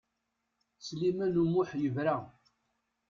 Sliman U Muḥ yebra.